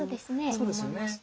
そうですよね。